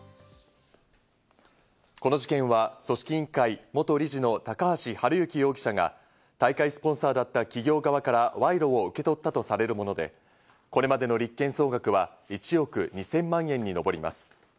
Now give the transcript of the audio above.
この事件は組織委員会元事理の高橋治之容疑者が大会スポンサーだった企業側から賄賂を受け取ったとされるもので、これまでの立件総額は１億２０００万円に上ります。